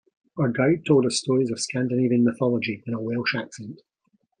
Our guide told us stories of Scandinavian mythology in a Welsh accent.